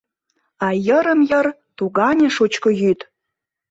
А йырым-йыр тугане шучко йӱд!